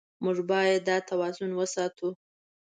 موږ باید دا توازن وساتو.